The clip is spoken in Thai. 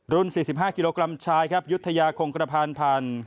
รุ่น๔๕กิโลกรัมชายครับยุทยาคงกระพันธ์พันธุ์